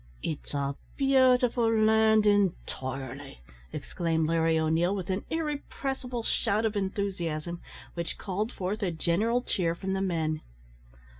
"It's a beautiful land, intirely," exclaimed Larry O'Neil, with an irrepressible shout of enthusiasm, which called forth a general cheer from the men.